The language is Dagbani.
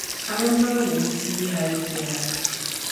A bɛ miri wuntia hali bela.